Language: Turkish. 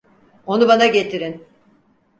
Onu bana getirin.